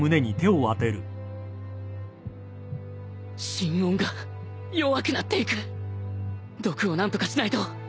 心音が弱くなっていく毒を何とかしないと